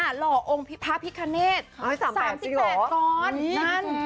หล่อพระพิฆาเนต๓๘ก้อน